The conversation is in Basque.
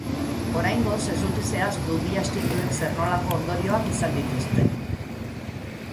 Oraingoz ez dute zehaztu bi astinduek zer-nolako ondorioak izan dituzten.